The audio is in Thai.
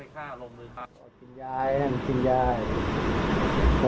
กลัวอะไรต้องไปฆ่าลงมือครับ